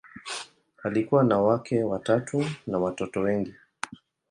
Alikuwa na wake watatu na watoto wengi.